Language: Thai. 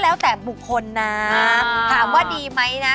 แล้วแต่บุคคลนะถามว่าดีไหมนะ